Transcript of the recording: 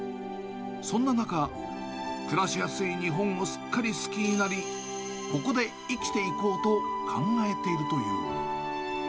そんな中、暮らしやすい日本をすっかり好きになり、ここで生きていこうと考えているという。